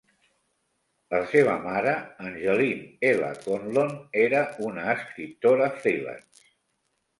La seva mare, Angeline L. Conlon, era una escriptora freelance.